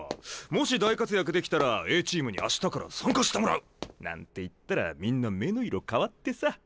もし大活躍できたらＡチームに明日から参加してもらうなんて言ったらみんな目の色変わってさ。